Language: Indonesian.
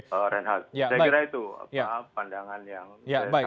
saya kira itu pandangan yang saya sampaikan